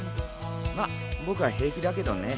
まあ僕は平気だけどね。